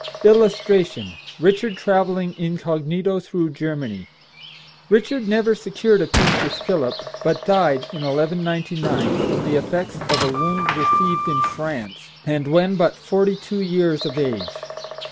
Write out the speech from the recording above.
[Illustration: RICHARD TRAVELLING INCOG. THROUGH GERMANY.] Richard never secured a peace with Philip, but died, in 1199, from the effects of a wound received in France, and when but forty two years of age.